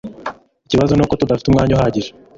Ikibazo nuko tudafite umwanya uhagije